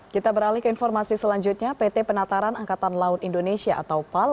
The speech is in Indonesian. kita beralih ke informasi selanjutnya pt penataran angkatan laut indonesia atau pal